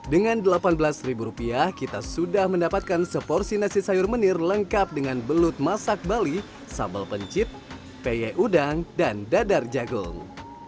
dengan delapan belas rupiah kita sudah mendapatkan seporsi nasi sayur menir lengkap dengan belut masak bali sambal pencit peye udang dan dadar jagung